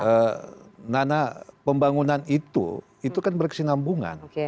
karena pembangunan itu itu kan berkesinambungan